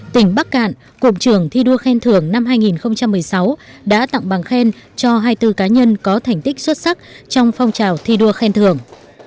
tỉnh bắc cạn cụm trưởng thi đua khen thưởng năm hai nghìn một mươi sáu đã tặng bằng khen cho hai mươi bốn cá nhân có thành tích xuất sắc trong phong trào thi đua khen thưởng